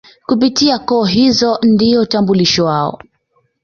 Kupitia koo hizo ndio utambulisho wao